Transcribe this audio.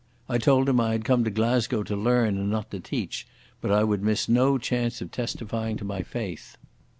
I told him I had come to Glasgow to learn and not to teach, but I would miss no chance of testifying to my faith.